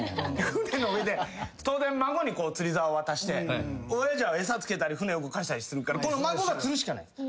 船の上で当然孫に釣りざお渡して親父は餌付けたり船動かしたりするから孫が釣るしかない。